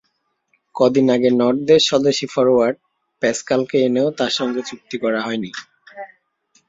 কদিন আগে নর্দের স্বদেশি ফরোয়ার্ড প্যাসকালকে এনেও তাঁর সঙ্গে চুক্তি করা হয়নি।